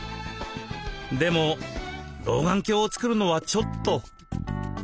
でも老眼鏡を作るのはちょっと。